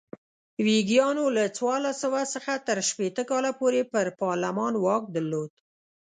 ویګیانو له څوارلس سوه څخه تر شپېته کاله پورې پر پارلمان واک درلود.